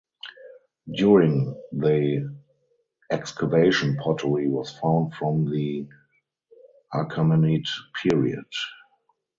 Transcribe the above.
During the excavation pottery was found from the Achaemenid period.